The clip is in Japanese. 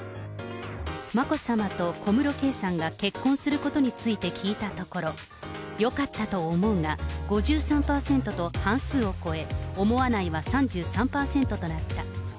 眞子さまと小室圭さんが結婚することについて聞いたところ、よかったと思うが５３％と半数を超え、思わないは３３％となった。